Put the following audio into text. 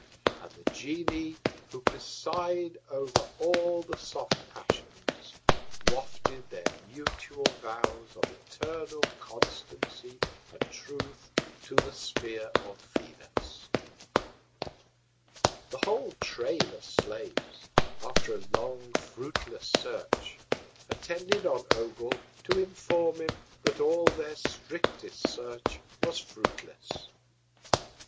And the Genii, who preside over all the soft Passions, wafted their mutual Vows of eternal Constancy and Truth to the Sphere of Venus. The whole Train of Slaves, after a long fruitless Search, attended on Ogul, to inform him that all their strictest Search was fruitless.